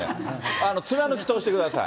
貫き通してください。